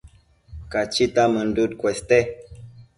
Cachita mënduc cueste